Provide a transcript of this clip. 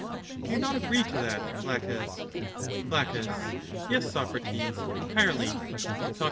Do you not agree to that. Laches? La, Yes, Socrates, entirely. Soc.